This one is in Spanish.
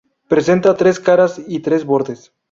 Presenta tres caras y tres bordes.